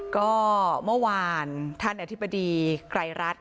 ก็เมื่อวานท่านอธิบดีไกรรัฐ